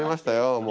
もう。